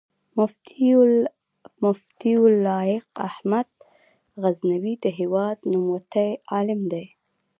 مفتي لائق احمد غزنوي د هېواد نوموتی عالم دی